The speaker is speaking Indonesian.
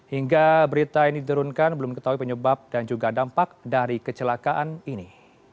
hingga berita ini diturunkan belum ketahui penyebab dan juga dampak dari kecelakaan ini